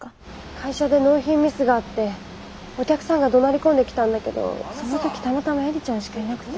会社で納品ミスがあってお客さんがどなり込んできたんだけどその時たまたま映里ちゃんしかいなくて。